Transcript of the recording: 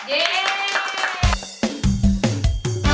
ยีย